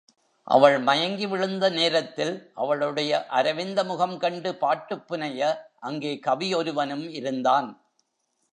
அவள் மயங்கி விழுந்த நேரத்தில், அவளுடைய அரவிந்த முகம் கண்டு பாட்டுப் புனய அங்கே கவி ஒருவனும் இருந்தான்.